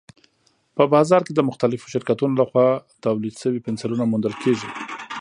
په بازار کې د مختلفو شرکتونو لخوا تولید شوي پنسلونه موندل کېږي.